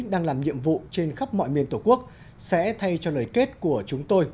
đang làm nhiệm vụ trên khắp mọi miền tổ quốc sẽ thay cho lời kết của chúng tôi